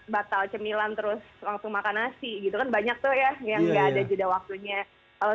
batal cemilan terus langsung makan nasi gitu kan banyak tuh ya yang enggak ada jeda waktunya kalau